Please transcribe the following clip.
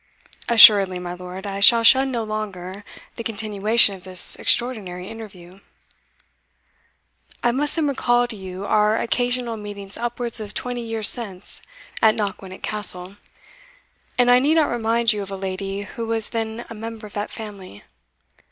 "Assuredly, my lord, I shall shun no longer the continuation of this extraordinary interview." "I must then recall to you our occasional meetings upwards of twenty years since at Knockwinnock Castle, and I need not remind you of a lady who was then a member of that family."